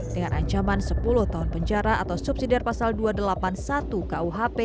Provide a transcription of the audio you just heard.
dengan ancaman sepuluh tahun penjara atau subsidi pasal dua ratus delapan puluh satu kuhp